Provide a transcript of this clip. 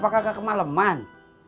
apakah gak kemaleman